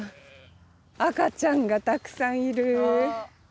赤ちゃんがたくさんいる。